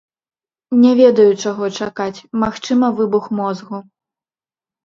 Не ведаю, чаго чакаць, магчыма, выбух мозгу.